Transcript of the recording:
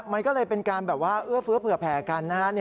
มันก็เลยเป็นการเอื้อเฟื้อเผื่อแผ่กัน